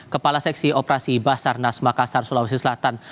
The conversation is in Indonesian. kepala seksi operasi basarnas makassar sulawesi selatan